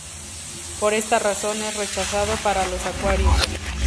Por esta razón es rechazado para los acuarios.